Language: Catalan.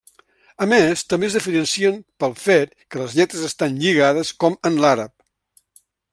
A més també es diferencien pel fet que les lletres estan lligades, com en l'àrab.